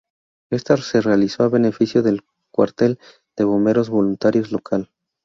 Ésta se realizó a beneficio del cuartel de Bomberos Voluntarios local.